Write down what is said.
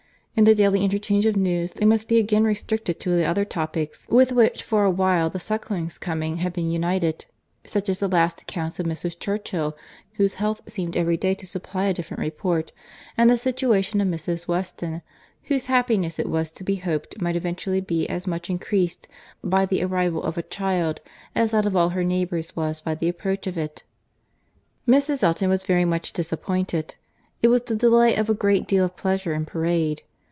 In the daily interchange of news, they must be again restricted to the other topics with which for a while the Sucklings' coming had been united, such as the last accounts of Mrs. Churchill, whose health seemed every day to supply a different report, and the situation of Mrs. Weston, whose happiness it was to be hoped might eventually be as much increased by the arrival of a child, as that of all her neighbours was by the approach of it. Mrs. Elton was very much disappointed. It was the delay of a great deal of pleasure and parade.